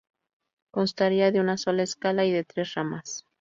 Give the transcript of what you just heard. Constaría de una sola escala y de tres ramas.